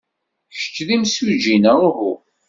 Kečč d imsujji neɣ uhu?